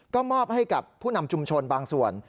ก็มอบให้กับผู้นำชุมชนบางส่วน